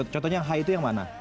contohnya hai itu yang mana